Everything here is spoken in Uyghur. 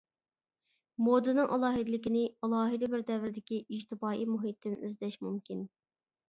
مودىنىڭ ئالاھىدىلىكىنى ئالاھىدە بىر دەۋردىكى ئىجتىمائىي مۇھىتتىن ئىزدەش مۇمكىن.